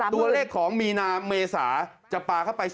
ตัวเลขของมีนาเมษาจะปลาเข้าไป